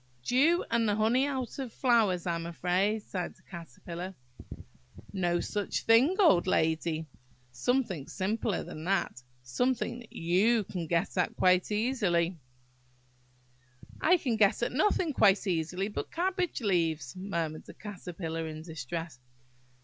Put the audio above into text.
"Dew, and the honey out of flowers, I am afraid," sighed the Caterpillar. "No such thing, old lady! Something simpler than that. Something that you can get at quite easily." "I can get at nothing quite easily but cabbage leaves," murmured the Caterpillar, in distress.